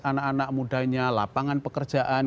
anak anak mudanya lapangan pekerjaan